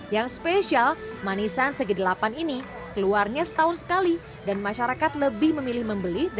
yang spesial manisan segi delapan ini keluarnya setelah tiga bulan lalu dikumpulkan ke kota bingungan di tempat yang lainnya